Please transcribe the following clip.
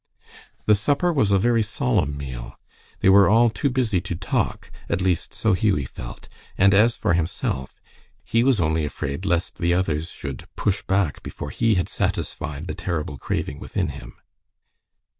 The supper was a very solemn meal. They were all too busy to talk, at least so Hughie felt, and as for himself, he was only afraid lest the others should "push back" before he had satisfied the terrible craving within him.